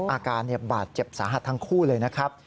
อาการบาดเจ็บสาหัสทั้งคู่เลยนะครับ